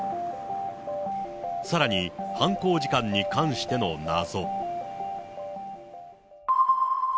さらに犯行時間に関しての謎。